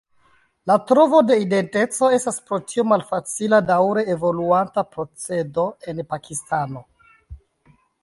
La trovo de identeco estas pro tio malfacila daŭre evoluanta procedo en Pakistano.